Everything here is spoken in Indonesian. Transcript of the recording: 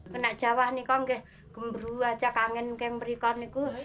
kalau jawa nih kok kemburu saja angin kan berikan nih kok